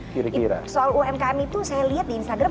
kira kira soal umkm itu saya lihat di instagram